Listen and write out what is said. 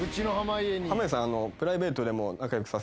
濱家さん。